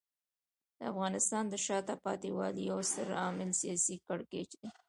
د افغانستان د شاته پاتې والي یو ستر عامل سیاسي کړکېچ دی.